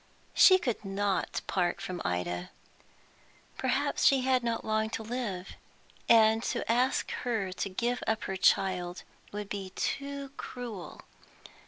She could not part from Ida. Perhaps she had not long to live, and to ask her to give up her child would be too cruel.